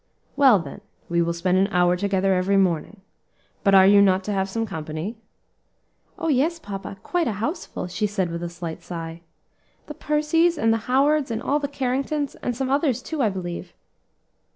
"Well, then, we will spend an hour together every morning. But are you not to have some company?" "Oh! yes, papa, quite a house full," she said with a slight sigh. "The Percys, and the Howards, and all the Carringtons, and some others too, I believe."